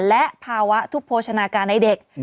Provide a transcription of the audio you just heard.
และภาวะทุกโภชนาการในเด็ก